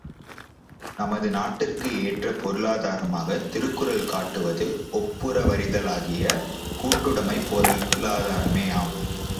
நமது நாட்டுக்கு ஏற்ற பொருளாதாரமாகத் திருக்குறள் காட்டுவது ஒப்புரவறிதலாகிய கூட்டுடைமைப் பொருளாதாரமேயாம்.